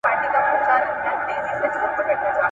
دا نړۍ زړه غمجنه پوروړې د خوښیو !.